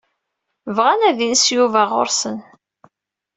Bɣan ad yens Yuba ɣur-sen.